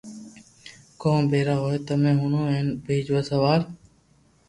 ڪون پيروا ھوئي تمي ھڻَو ھين ٻآجو سوال